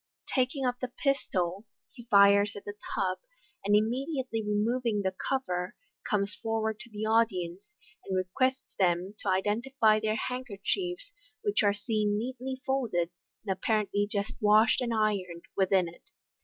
Taking up the pistol, he fires at the tub, and immediately removing the cover, comes for ward to the audience, and requests them to identify their hand kerchiefs, which are seen neatly folded, and apparently just washed and ironed, within it.